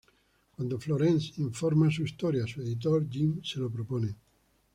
Cuando Florence informa su historia a su editor, Jim, se lo propone.